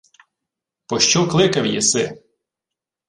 — Пощо кликав єси?